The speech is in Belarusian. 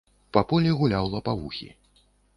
Па полі гуляў лапавухі.